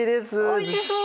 おいしそう。